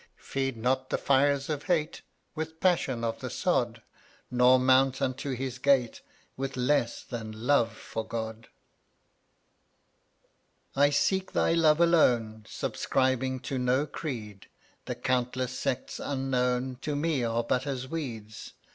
Feed not the fires of hate With passion of the sod, Nor mount unto His gate With less than love for God. 138 I seek Thy love alone, Subscribing to no creed, The countless sects unknown — To me are but as weeds.